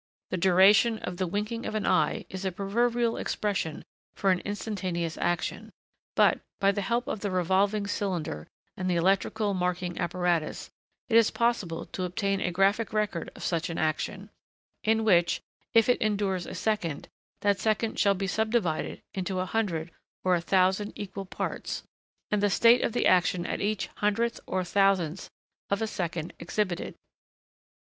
The duration of the winking of an eye is a proverbial expression for an instantaneous action; but, by the help of the revolving cylinder and the electrical marking apparatus, it is possible to obtain a graphic record of such an action, in which, if it endures a second, that second shall be subdivided into a hundred, or a thousand, equal parts, and the state of the action at each hundredth, or thousandth, of a second exhibited.